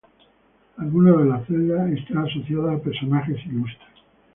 Algunas de las celdas están asociadas a personajes ilustres.